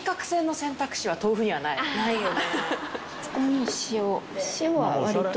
ないよね。